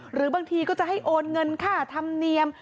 หรือบางทีก็จะให้โอนเงินค่าธรรมเนียม